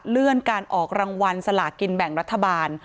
เลื่อนการออกรางวัลสลากินแบ่งรัฐบาล